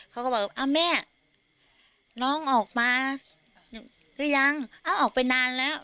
เขาก็บอกอ้าวแม่น้องออกมาหรือยังออกไปนานแล้ว